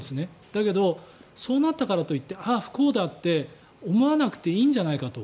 だけど、そうなったからといってああ、不幸だって思わなくていいんじゃないかと。